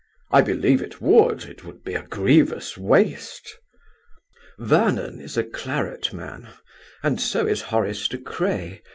"I believe it would. It would be a grievous waste." "Vernon is a claret man; and so is Horace De Craye.